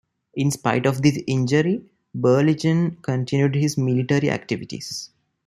In spite of this injury, Berlichingen continued his military activities.